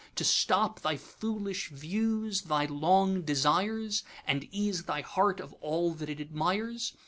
To stop thy foolish views, thy long desires, And ease thy heart of all that it admires?